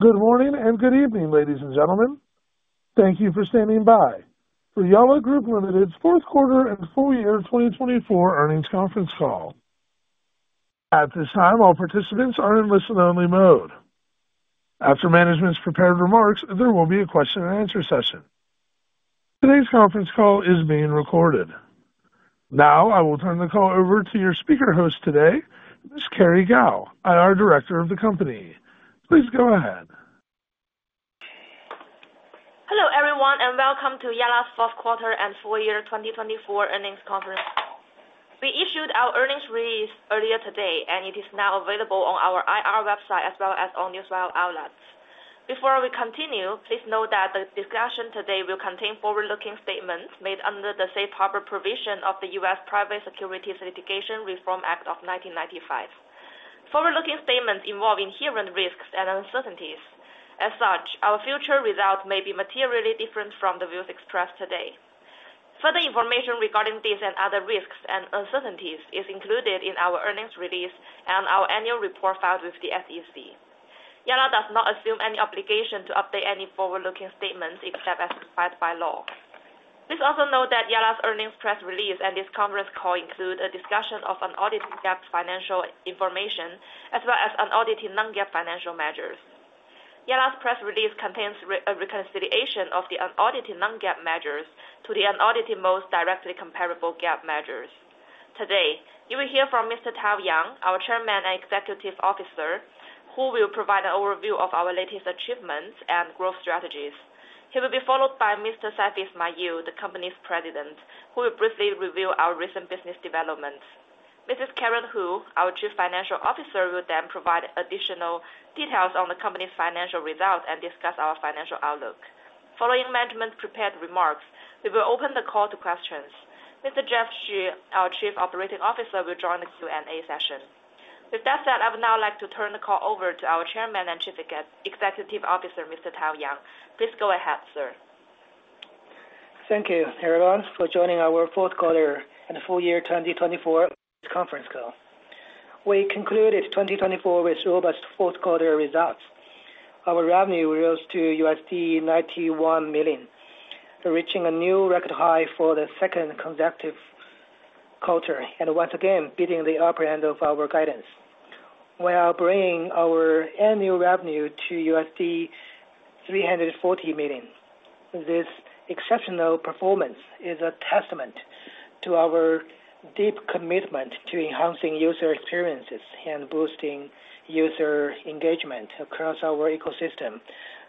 Good morning and good evening, ladies and gentlemen. Thank you for standing by for Yalla Group Limited's Q4 and Full Year 2024 Earnings Conference Call. At this time, all participants are in listen-only mode. After management's prepared remarks, there will be a question-and-answer session. Today's conference call is being recorded. Now, I will turn the call over to your speaker host today, Ms. Kerry Gao, IR Director of the company. Please go ahead. Hello, everyone, and welcome to Yalla's Q4 and Full Year 2024 Earnings Conference. We issued our earnings release earlier today, and it is now available on our IR website as well as on newswire outlets. Before we continue, please note that the discussion today will contain forward-looking statements made under the safe harbor provision of the US Private Securities Litigation Reform Act of 1995. Forward looking statements involve inherent risks and uncertainties. As such, our future results may be materially different from the views expressed today. Further information regarding these and other risks and uncertainties is included in our earnings release and our annual report filed with the SEC. Yalla does not assume any obligation to update any forward-looking statements except as specified by law. Please also note that Yalla's earnings press release and this conference call include a discussion of unaudited GAAP financial information as well as unaudited non-GAAP financial measures. Yalla's press release contains a reconciliation of the unaudited non-GAAP measures to the unaudited most directly comparable GAAP measures. Today, you will hear from Mr. Tao Yang, our Chairman and Executive Officer, who will provide overview of our latest achievements and growth strategies. He will be followed by Mr. Saifi Ismail, the company's President, who will briefly proceed with our recent business developments. Mrs. Karen Hu, our Chief Financial Officer, will then provide additional details on the company's financial results and discuss our financial outlook. Following management's prepared remarks, we will open the call to questions. Mr. Jeff Xu, our Chief Operating Officer, will join the Q&A session. With that said, I would now like to turn the call over to our Chairman and Chief Executive Officer, Mr. Tao Yang. Please go ahead, sir. Thank you, everyone, for joining our Q4 and Full Year 2024 Earnings Conference Call. We concluded 2024 with robust Q4 results. Our revenue rose to $91 million, reaching a new record high for the second consecutive quarter and once again beating the upper end of our guidance while bringing our annual revenue to $340 million. This exceptional performance is a testament to our deep commitment to enhancing user experiences and boosting user engagement across our ecosystem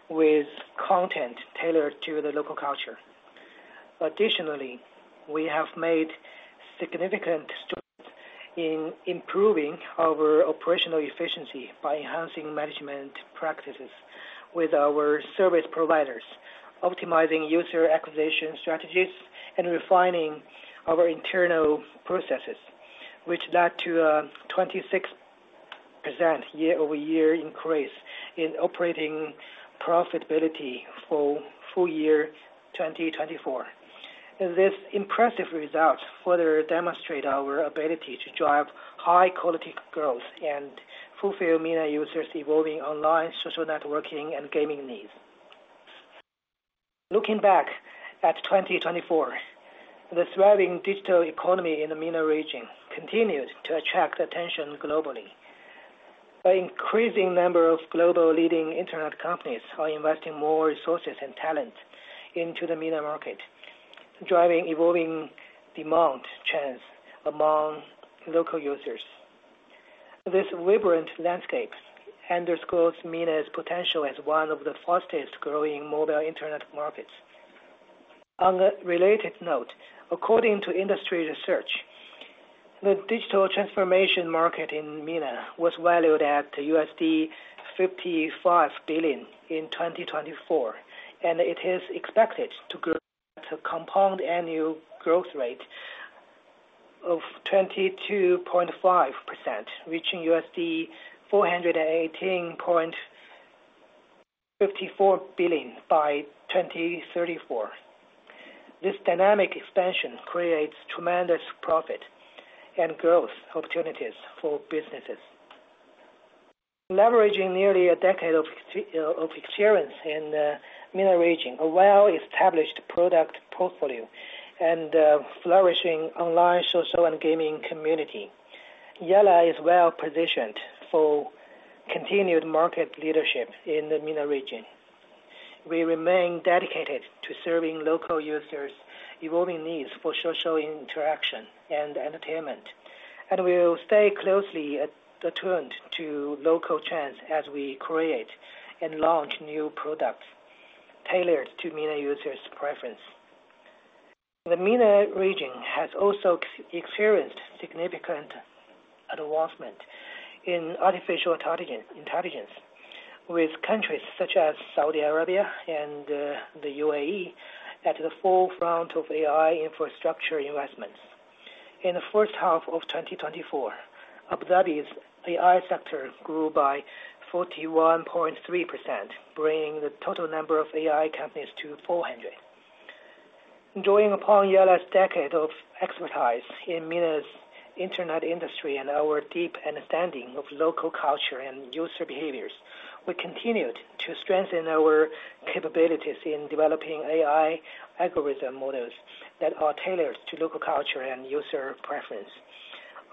with content tailored to the local culture. Additionally, we have made significant strides in improving our operational efficiency by enhancing management practices with our service providers, optimizing user acquisition strategies, and refining our internal processes, which led to a 26% year-over-year increase in operating profitability for full year 2024. This impressive result further demonstrates our ability to drive high-quality growth and fulfill MENA users' evolving online social networking and gaming needs. Looking back at 2024, the thriving digital economy in the MENA region continued to attract attention globally. An increasing number of global leading internet companies are investing more resources and talent into the MENA market, driving evolving demand trends among local users. This vibrant landscape underscores MENA's potential as one of the fastest-growing mobile internet markets. On a related note, according to industry research, the digital transformation market in MENA was valued at $55 billion in 2024, and it is expected to grow at a compound annual growth rate of 22.5%, reaching $418.54 billion by 2034. This dynamic expansion creates tremendous profit and growth opportunities for businesses. Leveraging nearly a decade of experience in the MENA region, a well-established product portfolio, and a flourishing online social and gaming community, Yalla is well-positioned for continued market leadership in the MENA region. We remain dedicated to serving local users' evolving needs for social interaction and entertainment, and we will stay closely attuned to local trends as we create and launch new products tailored to MENA users' preferences. The MENA region has also experienced significant advancement in artificial intelligence, with countries such as Saudi Arabia and the UAE at the forefront of AI infrastructure investments. In the first half of 2024, Abu Dhabi's AI sector grew by 41.3%, bringing the total number of AI companies to 400. Drawing upon Yalla's decade of expertise in MENA's internet industry and our deep understanding of local culture and user behaviors, we continued to strengthen our capabilities in developing AI algorithm models that are tailored to local culture and user preference.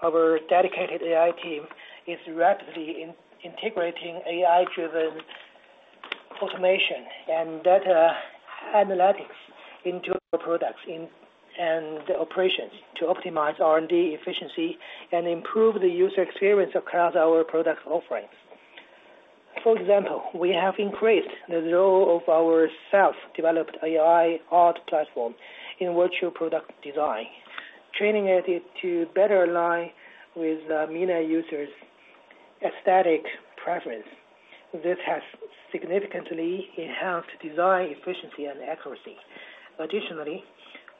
Our dedicated AI team is rapidly integrating AI-driven automation and data analytics into our products and operations to optimize R&D efficiency and improve the user experience across our product offerings. For example, we have increased the role of our self-developed AI art platform in virtual product design, training it to better align with MENA users' aesthetic preference. This has significantly enhanced design efficiency and accuracy. Additionally,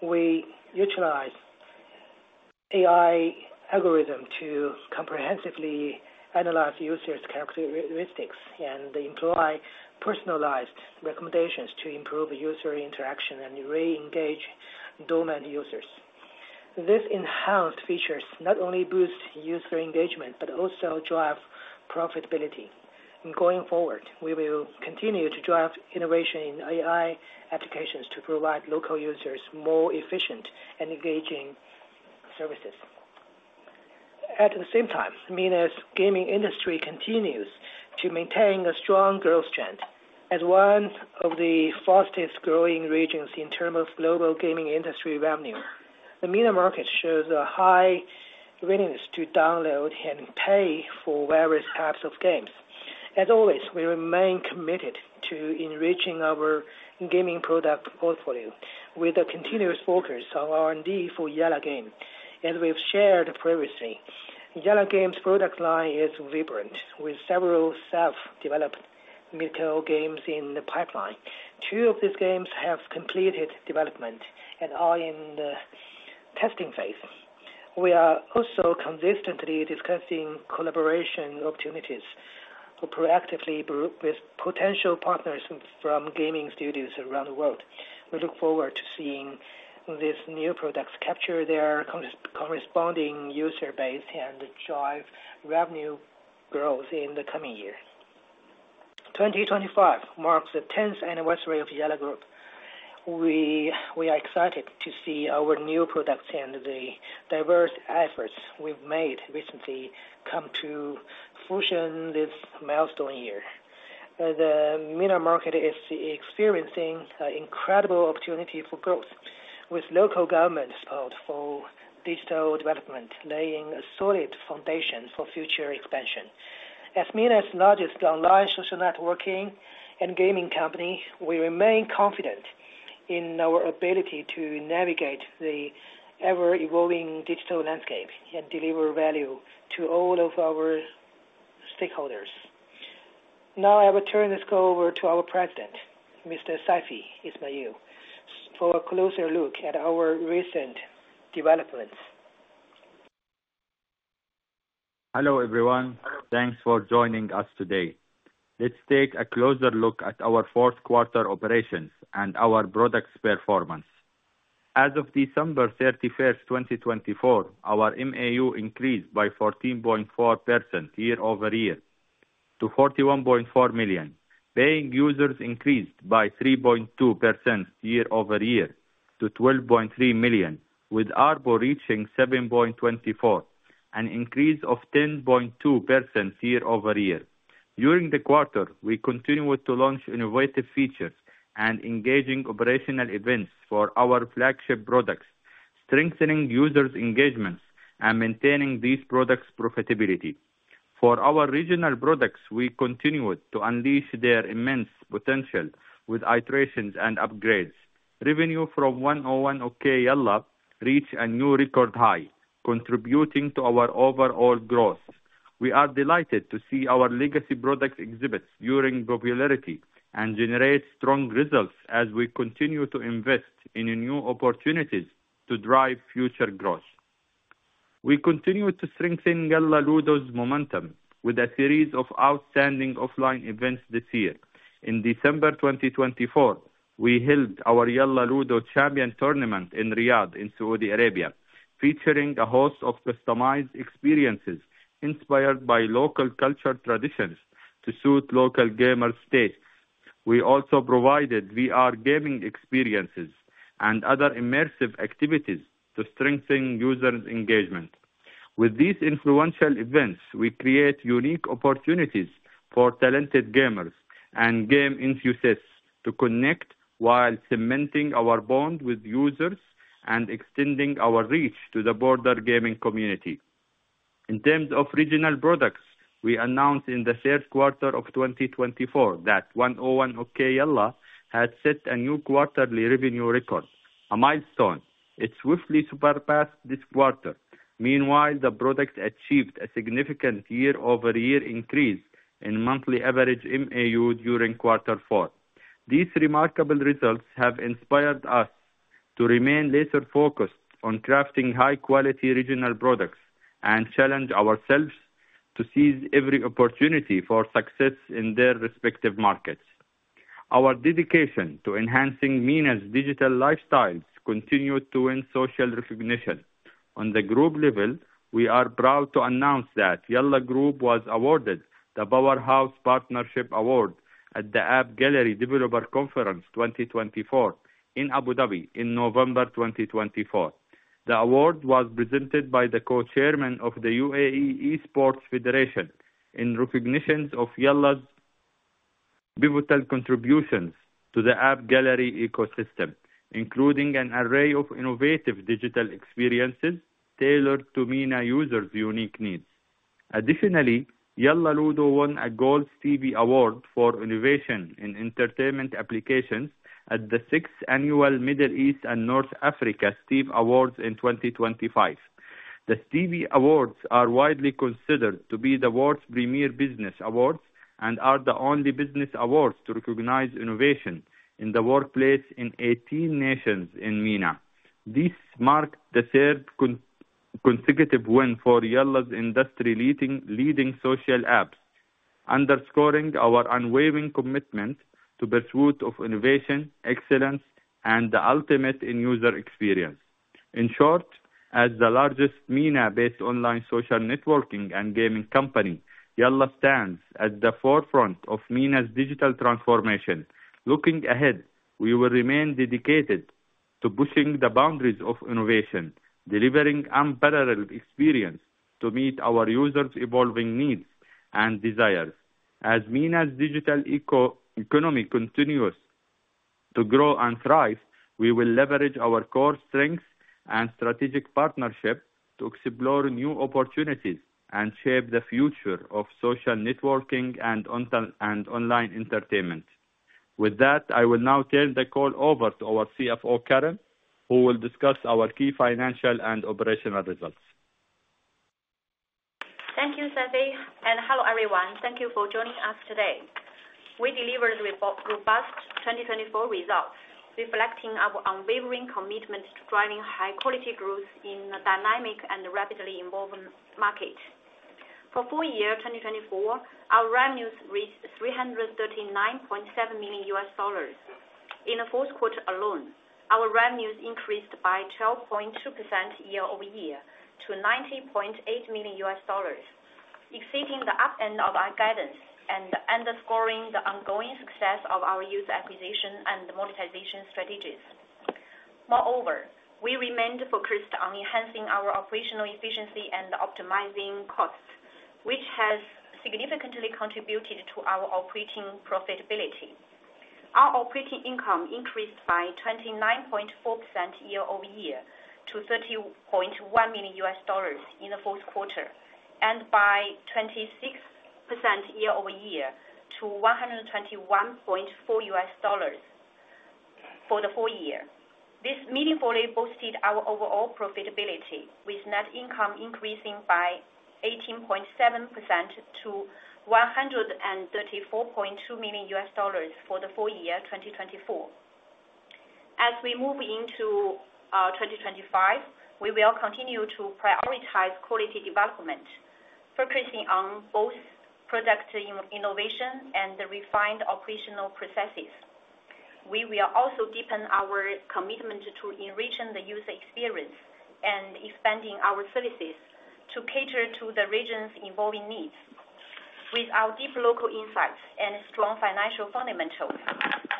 we utilize AI algorithms to comprehensively analyze users' characteristics and employ personalized recommendations to improve user interaction and re-engage dormant users. This enhanced features not only boost user engagement but also drive profitability. Going forward, we will continue to drive innovation in AI applications to provide local users more efficient and engaging services. At the same time, MENA's gaming industry continues to maintain a strong growth trend as one of the fastest growing regions in terms of global gaming industry revenue. The MENA market shows a high willingness to download and pay for various types of games. As always, we remain committed to enriching our gaming product portfolio with a continuous focus on R&D for Yalla Games. As we've shared previously, Yalla Games' product line is vibrant, with several self-developed mid-core games in the pipeline. Two of these games have completed development and are in the testing phase. We are also consistently discussing collaboration opportunities to proactively work with potential partners from gaming studios around the world. We look forward to seeing these new products capture their corresponding user base and drive revenue growth in the coming year. 2025 marks the 10th anniversary of Yalla Group. We we are excited to see our new products and the diverse efforts we've made recently come to fruition this milestone year. The MENA market is experiencing an incredible opportunity for growth, with local governments' support for digital development laying a solid foundation for future expansion. As MENA's largest online social networking and gaming company, we remain confident in our ability to navigate the ever evolving digital landscape and deliver value to all of our stakeholders. Now, I will turn this call over to our President, Mr. Saifi Ismail, for a closer look at our recent developments. Hello, everyone. Thanks for joining us today. Let's take a closer look at our Q4 operations and our product performance. As of December 31, 2024, our MAU increased by 14.4% year-over-year to 41.4 million. Paying users increased by 3.2% year-over-year to 12.3 million, with ARPU reaching $7.24, an increase of 10.2% year-over-year. During the quarter, we continued to launch innovative features and engaging operational events for our flagship products, strengthening users' engagements and maintaining these products' profitability. For our regional products, we continued to unleash their immense potential with iterations and upgrades. Revenue from 101 Okey Yalla reached a new record high, contributing to our overall growth. We are delighted to see our legacy products exhibit enduring popularity and generate strong results as we continue to invest in new opportunities to drive future growth. We continue to strengthen Yalla Ludo's momentum with a series of outstanding offline events this year. In December 2024, we held our Yalla Ludo Champion Tournament in Riyadh in Saudi Arabia, featuring a host of customized experiences inspired by local culture traditions to suit local gamers' tastes. We also provided VR gaming experiences and other immersive activities to strengthen users' engagement. With these influential events, we create unique opportunities for talented gamers and game enthusiasts to connect while cementing our bond with users and extending our reach to the broader gaming community. In terms of regional products, we announced in the Q3 of 2024 that 101 Okey Yalla had set a new quarterly revenue record, a milestone it swiftly surpassed this quarter. Meanwhile, the product achieved a significant year-over-year increase in monthly average MAU during quarter four. These remarkable results have inspired us to remain laser focused on crafting high-quality regional products and challenge ourselves to seize every opportunity for success in their respective markets. Our dedication to enhancing MENA's digital lifestyles continued to win social recognition. On the group level, we are proud to announce that Yalla Group was awarded the Powerhouse Partnership Award at the AppGallery Developer Conference 2024 in Abu Dhabi in November 2024. The award was presented by the Co-Chairman of the UAE Esports Federation in recognition of Yalla's pivotal contributions to the AppGallery ecosystem, including an array of innovative digital experiences tailored to MENA users' unique needs. Additionally, Yalla Ludo won a Gold Stevie Award for innovation in Entertainment Applications at the 6th Annual Middle East and North Africa Stevie Awards in 2025. The Stevie Awards are widely considered to be the world's premier business awards and are the only business awards to recognize innovation in the workplace in 18 nations in MENA. This marked the third consecutive win for Yalla's industry leading social apps, underscoring our unwavering commitment to the pursuit of innovation, excellence, and the ultimate end-user experience. In short, as the largest MENA-based online social networking and gaming company, Yalla stands at the forefront of MENA's digital transformation. Looking ahead, we will remain dedicated to pushing the boundaries of innovation, delivering unparalleled experiences to meet our users' evolving needs and desires. As MENA's digital economy continues to grow and thrive, we will leverage our core strengths and strategic partnership to explore new opportunities and shape the future of social networking and online entertainment. With that, I will now turn the call over to our CFO, Karen, who will discuss our key financial and operational results. Thank you, Saifi. Hello, everyone. Thank you for joining us today. We delivered robust 2024 results, reflecting our unwavering commitment to driving high-quality growth in a dynamic and rapidly evolving market. For full year 2024, our revenues reached $339.7 million. In the Q4 alone, our revenues increased by 12.2% year-over-year to $90.8 million, exceeding the upper end of our guidance and underscoring the ongoing success of our user acquisition and monetization strategies. Moreover, we remained focused on enhancing our operational efficiency and optimizing costs, which has significantly contributed to our operating profitability. Our operating income increased by 29.4% year-over-year to $30.1 million in the Q4 and by 26% year-over-year to $121.4 million for the full year. This meaningfully boosted our overall profitability, with net income increasing by 18.7% to $134.2 million for the full year 2024. As we move into 2025, we will continue to prioritize quality development, focusing on both product innovation and refined operational processes. We will also deepen our commitment to enriching the user experience and expanding our services to cater to the region's evolving needs. With our deep local insights and strong financial fundamentals,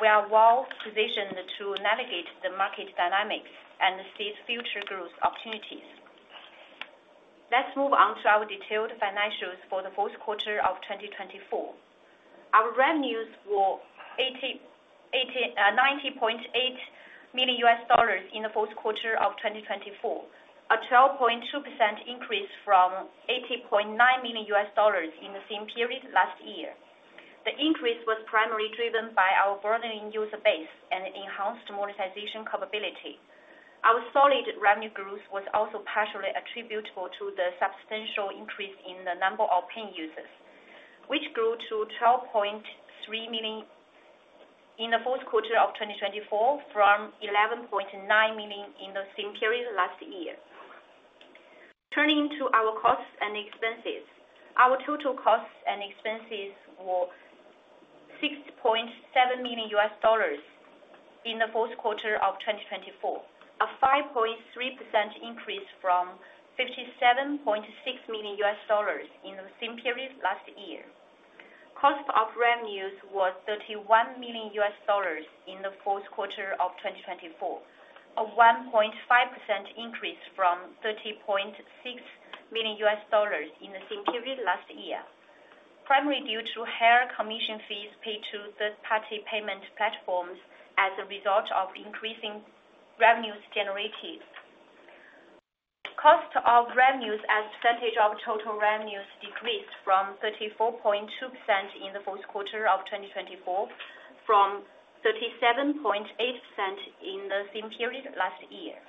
we are well positioned to navigate the market dynamics and seize future growth opportunities. Let's move on to our detailed financials for the Q4 of 2024. Our revenues were $90.8 million in the Q4 of 2024, a 12.2% increase from $80.9 million in the same period last year. The increase was primarily driven by our broadening user base and enhanced monetization capability. Our solid revenue growth was also partially attributable to the substantial increase in the number of paying users, which grew to 12.3 million in the Q4 of 2024 from 11.9 million in the same period last year. Turning to our costs and expenses, our total costs and expenses were $6.7 million in the Q4 of 2024, a 5.3% increase from $57.6 million in the same period last year. Cost of revenues was $31 million in the Q4 of 2024, a 1.5% increase from $30.6 million in the same period last year, primarily due to higher commission fees paid to third-party payment platforms as a result of increasing revenues generated. Cost of revenues as a percentage of total revenues decreased from 34.2% in the Q4 of 2024 from 37.8% in the same period last year.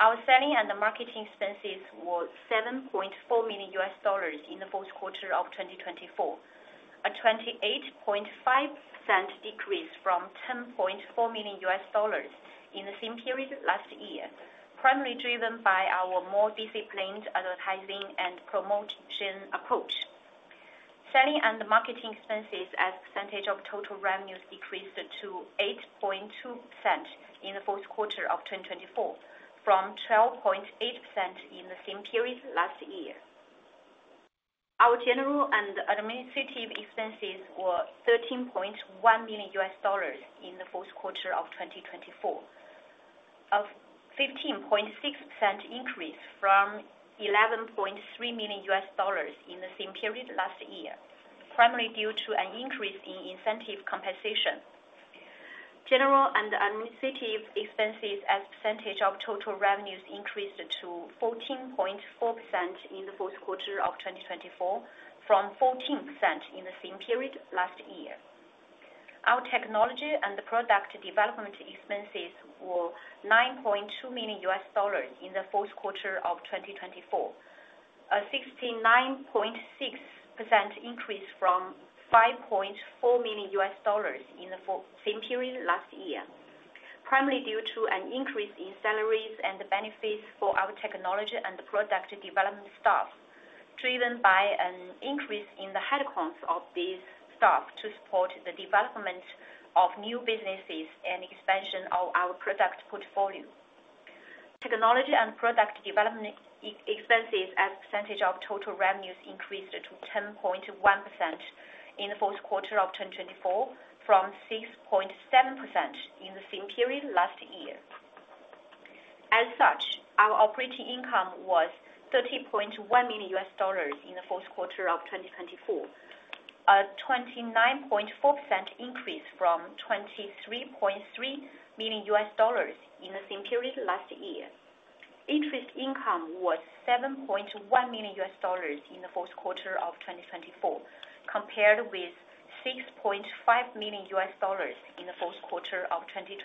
Our selling and marketing expenses were $7.4 million in the Q4 of 2024, a 28.5% decrease from $10.4 million in the same period last year, primarily driven by our more disciplined advertising and promotion approach. Selling and marketing expenses as a percentage of total revenues decreased to 8.2% in the Q4 of 2024 from 12.8% in the same period last year. Our general and administrative expenses were $13.1 million in the Q4 of 2024, a 15.6% increase from $11.3 million in the same period last year, primarily due to an increase in incentive compensation. General and administrative expenses as a percentage of total revenues increased to 14.4% in the Q4 of 2024 from 14% in the same period last year. Our technology and product development expenses were $9.2 million in the Q4 of 2024, a 69.6% increase from $5.4 million in the same period last year, primarily due to an increase in salaries and benefits for our technology and product development staff, driven by an increase in the headcount of these staff to support the development of new businesses and expansion of our product portfolio. Technology and product development expenses as a percentage of total revenues increased to 10.1% in the Q4 of 2024 from 6.7% in the same period last year. As such, our operating income was $30.1 million in the Q4 of 2024, a 29.4% increase from $23.3 million in the same period last year. Interest income was $7.1 million in the Q4 of 2024, compared with $6.5 million in the Q4 of 2023.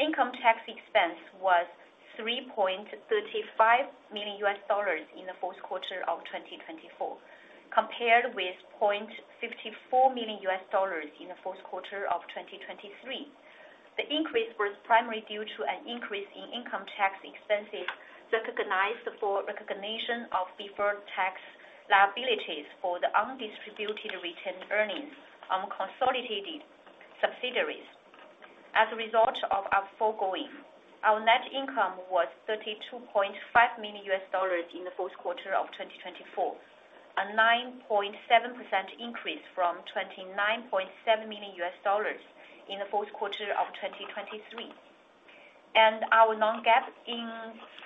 Income tax expense was $3.35 million in the Q4 of 2024, compared with $0.54 million in the Q4 of 2023. The increase was primarily due to an increase in income tax expenses recognized for recognition of deferred tax liabilities for the undistributed retained earnings on consolidated subsidiaries. As a result of our foregoing, our net income was $32.5 million in the Q4 of 2024, a 9.7% increase from $29.7 million in the Q4 of 2023. And our non-GAAP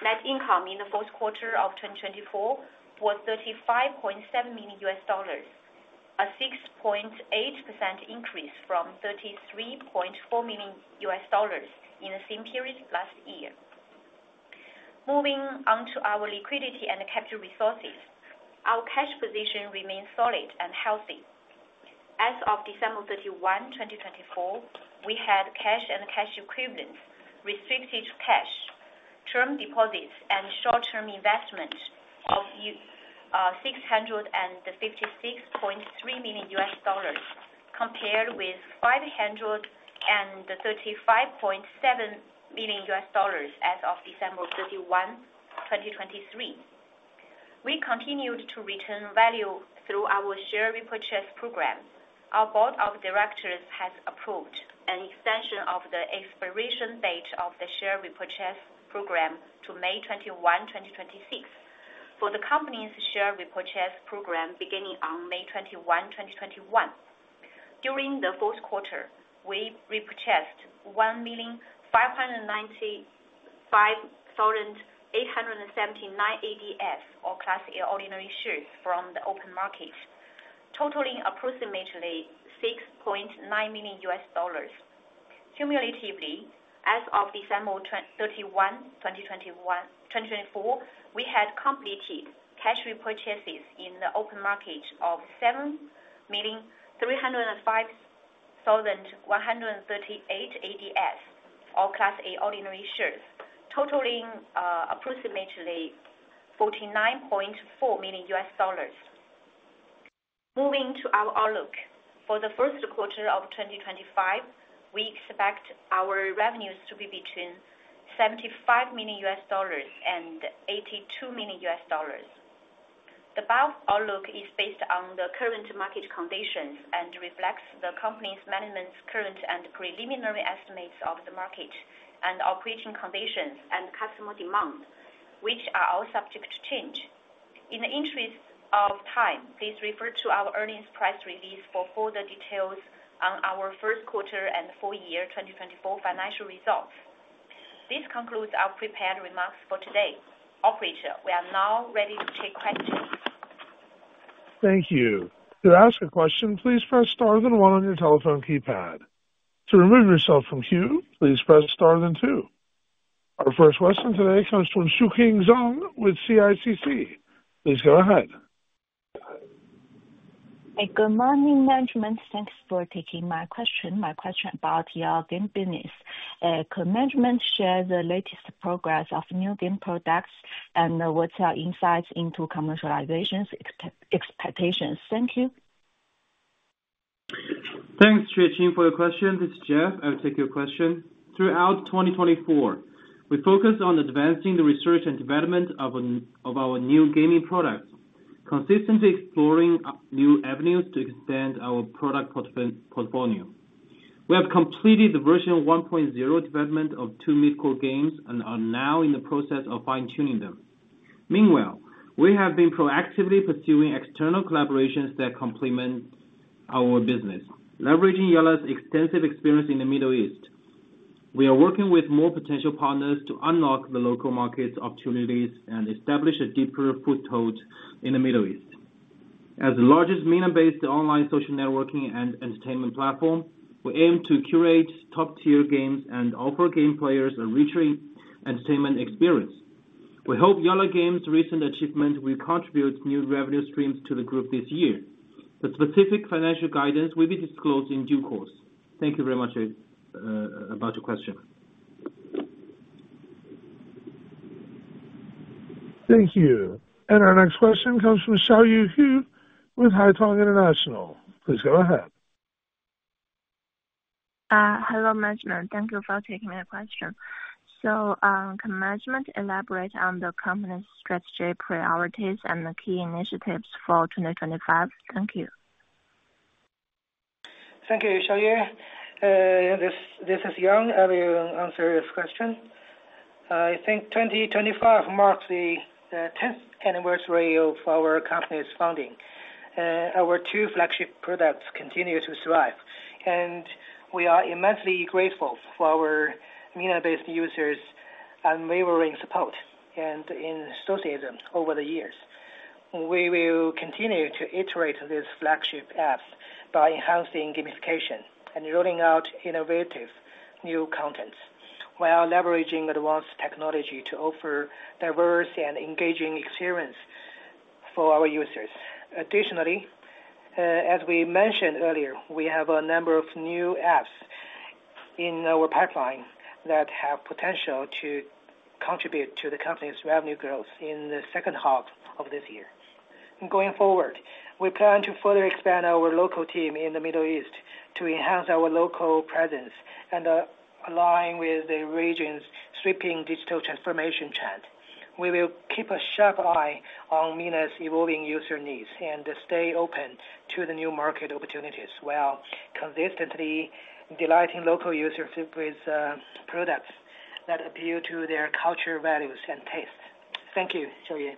net income in the Q4 of 2024 was $35.7 million, a 6.8% increase from $33.4 million in the same period last year. Moving on to our liquidity and capital resources, our cash position remained solid and healthy. As of December 31, 2024, we had cash and cash equivalents, restricted cash, term deposits, and short-term investment of $656.3 million, compared with $535.7 million as of December 31, 2023. We continued to return value through our share repurchase program. Our Board of Directors has approved an extension of the expiration date of the share repurchase program to May 21, 2026, for the company's share repurchase program beginning on May 21, 2021. During the Q4, we repurchased 1,595,879 ADS or Class A ordinary shares from the open market, totaling approximately $6.9 million. Cumulatively, as of December 31, 2024, we had completed cash repurchases in the open market of 7,305,138 ADS or Class A ordinary shares, totaling approximately $49.4 million. Moving to our outlook for the Q1 of 2025, we expect our revenues to be between $75 million and $82 million. The above outlook is based on the current market conditions and reflects the company's management's current and preliminary estimates of the market and operating conditions and customer demand, which are all subject to change. In the interest of time, please refer to our earnings press release for further details on our Q1 and Full Year 2024 Financial Results. This concludes our prepared remarks for today. Operator, we are now ready to take questions. Thank you. To ask a question, please press star then one on your telephone keypad. To remove yourself from queue, please press star then two. Our first question today comes from Xueqing Zhang with CICC. Please go ahead. Good morning, management. Thanks for taking my question. My question about your game business. Could management share the latest progress of new game products and what's our insights into commercialization expectations? Thank you. Thanks, Xueqing, for your question. This is Jeff. I'll take your question. Throughout 2024, we focused on advancing the research and development of our new gaming products, consistently exploring new avenues to expand our product portfolio. We have completed the version 1.0 development of two mid-core games and are now in the process of fine-tuning them. Meanwhile, we have been proactively pursuing external collaborations that complement our business, leveraging Yalla's extensive experience in the Middle East. We are working with more potential partners to unlock the local markets' opportunities and establish a deeper foothold in the Middle East. As the largest MENA-based online social networking and entertainment platform, we aim to curate top-tier games and offer game players a richer entertainment experience. We hope Yalla Games' recent achievement will contribute new revenue streams to the group this year. The specific financial guidance will be disclosed in due course. Thank you very much for your question. Thank you. And our next question comes from Xiaoyue Hu with Haitong International. Please go ahead. Hello, management. Thank you for taking my question. So can management elaborate on the company's strategic priorities and the key initiatives for 2025? Thank you. Thank you, Xiaoyue. This is Yang. And I will answer this question. I think 2025 marks the 10th anniversary of our company's founding. Our two flagship products continue to thrive, and we are immensely grateful for our MENA-based users' unwavering support and enthusiasm over the years. We will continue to iterate on these flagship apps by enhancing gamification and rolling out innovative new contents while leveraging advanced technology to offer diverse and engaging experiences for our users. Additionally, as we mentioned earlier, we have a number of new apps in our pipeline that have potential to contribute to the company's revenue growth in the second half of this year. Going forward, we plan to further expand our local team in the Middle East to enhance our local presence and align with the region's sweeping digital transformation trend. We will keep a sharp eye on MENA's evolving user needs and stay open to the new market opportunities while consistently delighting local users with products that appeal to their cultural values and tastes. Thank you, Xiaoyue.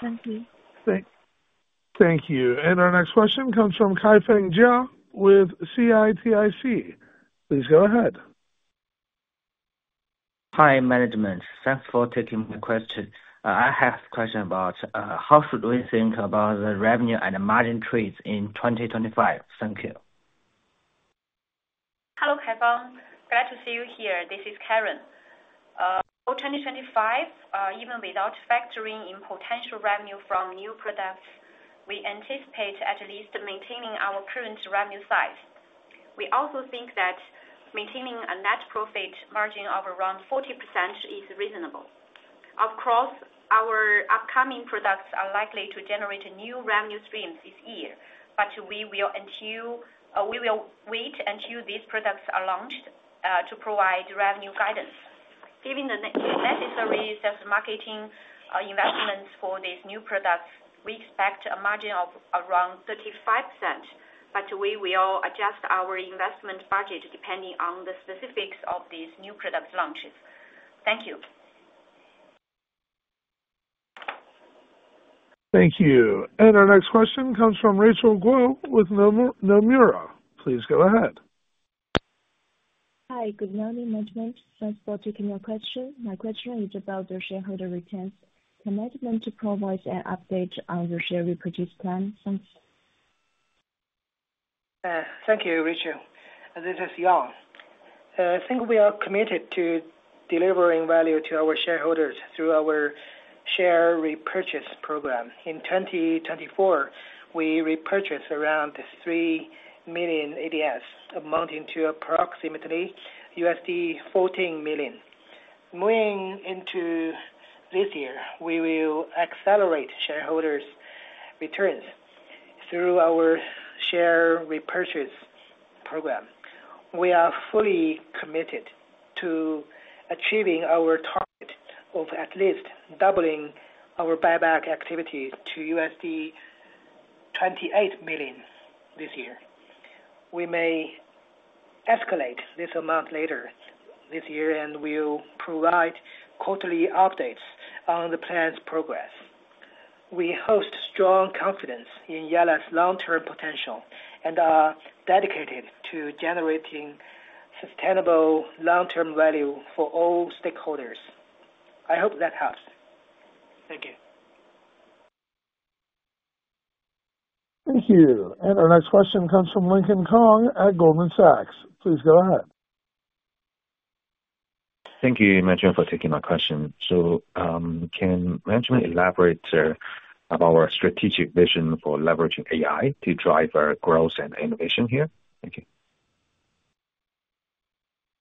Thank you. Great. Thank you. And our next question comes from Kaifang Jia with CITIC. Please go ahead. Hi management. Thanks for taking my question. I have a question about how should we think about the revenue and margin trades in 2025? Thank you. Hello, Kaifang. Glad to see you here. This is Karen. For 2025, even without factoring in potential revenue from new products, we anticipate at least to maintaining our current revenue size. We also think that maintaining a net profit margin of around 40% is reasonable. Of course, our upcoming products are likely to generate new revenue streams this year, but we will until we will wait until these products are launched to provide revenue guidance. Given the necessary marketing investments for these new products, we expect a margin of around 35%, but we will adjust our investment budget depending on the specifics of these new product launches. Thank you. Thank you. And our next question comes from Rachel Guo with Nomura. Please go ahead. Hi, good morning, management. Thanks for taking my question. My question is about the shareholder returns. Can management provide an update on your share repurchase plan? Thanks. Thank you, Rachel. This is Yang. I think we are committed to delivering value to our shareholders through our share repurchase program. In 2024, we repurchased around 3 million ADS, amounting to approximately $14 million. Moving into this year, we will accelerate shareholders' returns through our share repurchase program. We are fully committed to achieving our target of at least doubling our buyback activity to $28 million this year. We may escalate this amount later this year and will provide quarterly updates on the plan's progress. We host strong confidence in Yalla's long-term potential and are dedicated to generating sustainable long-term value for all stakeholders. I hope that helps. Thank you. Thank you. And our next question comes from Lincoln Kong at Goldman Sachs. Please go ahead. Thank you, management, for taking my question. So can management elaborate about our strategic vision for leveraging AI to drive our growth and innovation here? Thank you.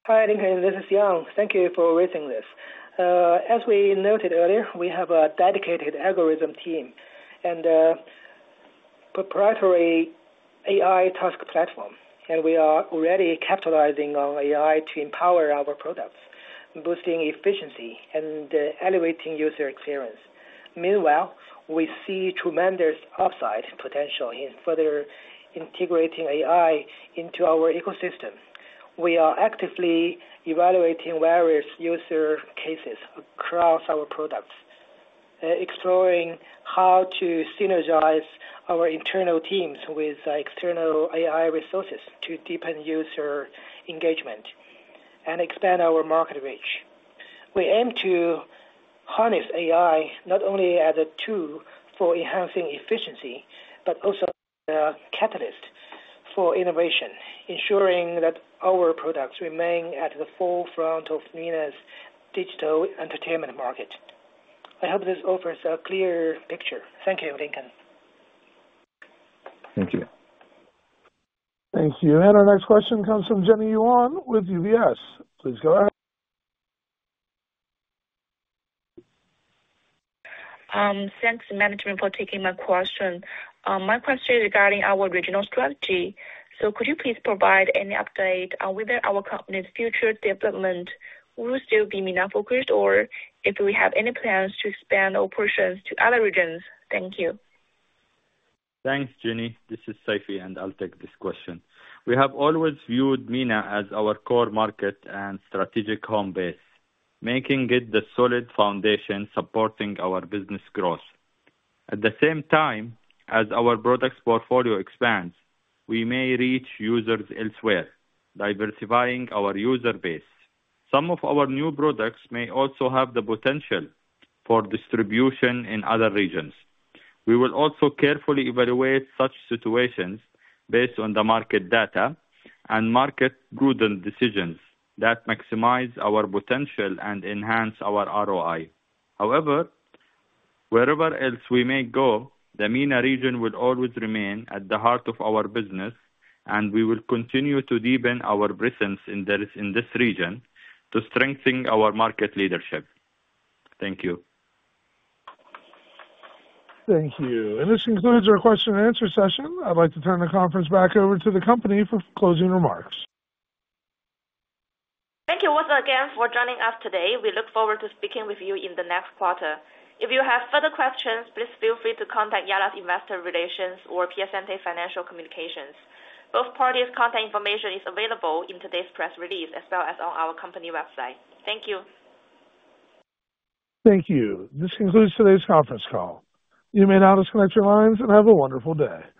Hi, Lincoln. This is Yang. Thank you for raising this. As we noted earlier, we have a dedicated algorithm team and proprietary AI task platform, and we are already capitalizing on AI to empower our products, boosting efficiency and elevating user experience. Meanwhile, we see tremendous upside potential in further integrating AI into our ecosystem. We are actively evaluating various user cases across our products, exploring how to synergize our internal teams with external AI resources to deepen user engagement and expand our market reach. We aim to harness AI not only as a tool for enhancing efficiency, but also a catalyst for innovation, ensuring that our products remain at the forefront of MENA's digital entertainment market. I hope this offers a clear picture. Thank you, Lincoln. Thank you. Thank you. And our next question comes from Jenny Yuan with UBS. Please go ahead. Thanks, management, for taking my question. My question is regarding our regional strategy. So could you please provide any update on whether our company's future development will still be MENA focused or if we have any plans to expand our portions to other regions? Thank you. Thanks, Jenny. This is Saifi, and I'll take this question. We have always viewed MENA as our core market and strategic home base, making it the solid foundation supporting our business growth. At the same time, as our products' portfolio expands, we may reach users elsewhere, diversifying our user base. Some of our new products may also have the potential for distribution in other regions. We will also carefully evaluate such situations based on the market data and market-prudent decisions that maximize our potential and enhance our ROI. However, wherever else we may go, the MENA region will always remain at the heart of our business, and we will continue to deepen our presence in this region to strengthen our market leadership. Thank you. Thank you. And this concludes our question-and-answer session. I'd like to turn the conference back over to the company for closing remarks. Thank you once again for joining us today. We look forward to speaking with you in the next quarter. If you have further questions, please feel free to contact Yalla's investor relations or Piacente Financial Communications. Both parties' contact information is available in today's press release as well as on our company website. Thank you. Thank you. This concludes today's conference call. You may now disconnect your lines and have a wonderful day.